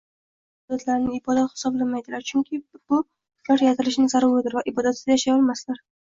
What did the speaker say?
Ular ibodatlarini ibodat hisoblamaydilar, chunki bu ular yaratilishining zaruridir va ibodatsiz yashay olmaslar